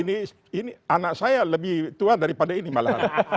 ini anak saya lebih tua daripada ini malahan